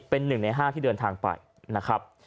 เป็น๑ใน๕ที่เดินทางไปนะครับ